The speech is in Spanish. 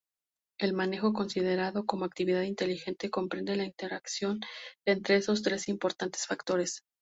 El manejo considerado como actividad inteligente comprende la interacción entre esos tres importantes factores.